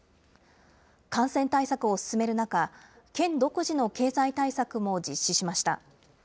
感染対策を進める中、県独自の経済対策も実施しました。